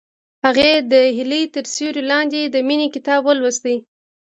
هغې د هیلې تر سیوري لاندې د مینې کتاب ولوست.